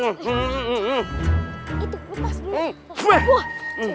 itu lepas dulu